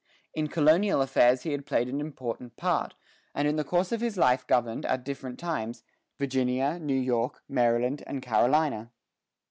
In colonial affairs he had played an important part, and in the course of his life governed, at different times, Virginia, New York, Maryland, and Carolina.